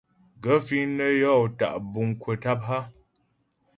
Gaə̂ fíŋ nə́ yɔ́ tá' buŋ kwə̀ tâp hə́ ?